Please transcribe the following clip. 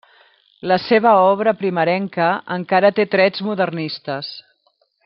La seva obra primerenca encara té trets modernistes.